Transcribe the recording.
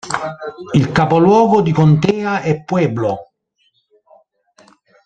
Il capoluogo di contea è Pueblo.